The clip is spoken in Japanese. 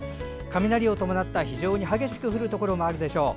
雷を伴った、非常に激しく降るところもあるでしょう。